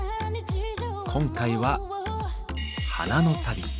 今回は「花の旅」。